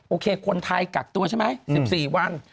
โอเคคนไทยกักตัวใช่ไหม๑๔วัน